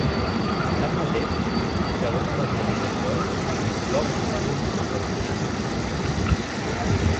Tanmateix, segons les mateixes fonts, l’home va continuar amb les amenaces.